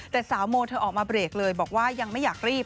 แต่สาวโมเธอออกมาเบรกเลยบอกว่ายังไม่อยากรีบ